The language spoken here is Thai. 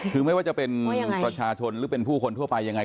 คือไม่ว่าจะเป็นประชาชนหรือเป็นผู้คนทั่วไปยังไง